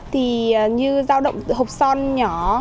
thì như dao động hộp son nhỏ